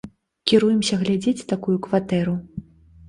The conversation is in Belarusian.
Кіруемся глядзець такую кватэру.